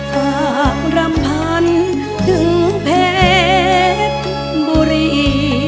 ฝากรำพันธุ์ถึงเพชรบุรี